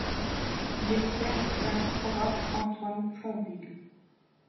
Il est le père du peintre Horace Antoine Fonville.